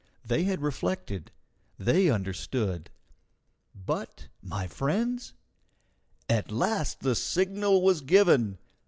They had reflected. They understood. But my friends! At last the signal was given.